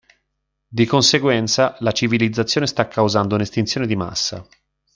Di conseguenza, la civilizzazione sta causando un'estinzione di massa.